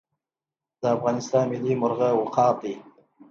د افغانستان ملي مرغه عقاب دی